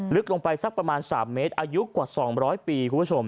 ลึกลงไปสักประมาณ๓เมตรอายุกว่า๒๐๐ปีคุณผู้ชม